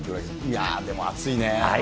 いやー、でも熱いね。